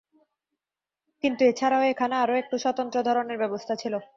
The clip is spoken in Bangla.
কিন্তু এছাড়াও এখানে আরো একটু স্বতন্ত্র ধরনের ব্যবস্থা ছিল।